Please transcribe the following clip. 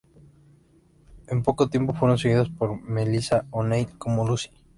En poco tiempo fueron seguidos por Melissa O'Neil como Lucy.